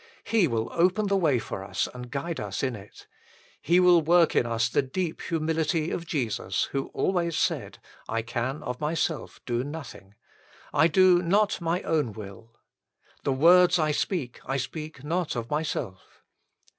He will open the way for us and guide us in it. He will work in us the deep humility of Jesus, who always said :" I can of Myself do nothing "; "I do not My own will ";" The words I speak, I speak not of Myself."